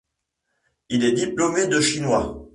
Il est diplômé de chinois.